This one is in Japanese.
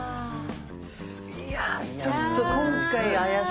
いやちょっと今回怪しいな。